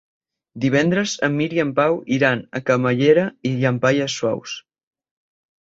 Divendres en Mirt i en Pau iran a Camallera i Llampaies Saus.